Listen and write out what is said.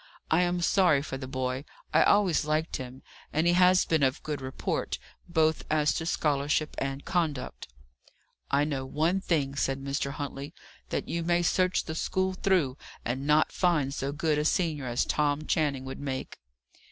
I am sorry for the boy; I always liked him; and he has been of good report, both as to scholarship and conduct." "I know one thing," said Mr. Huntley: "that you may search the school through, and not find so good a senior as Tom Channing would make."